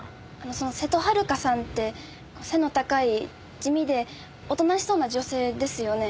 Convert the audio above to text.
その瀬戸はるかさんって背の高い地味でおとなしそうな女性ですよね？